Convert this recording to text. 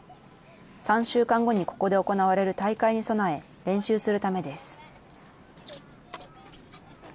３週間後にここで行われる大会に備え、練習するためです。